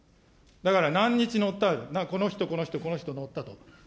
だから、何日乗った、この人、この人、この人、乗ったと。